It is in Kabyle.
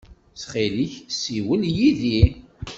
Ttxil-k, ssiwel yid-i.